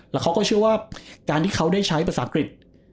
แล้วเขาก็เชื่อว่าการที่เขาได้ใช้ภาษาอังกฤษ